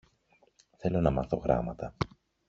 Θέλω να μάθω γράμματα.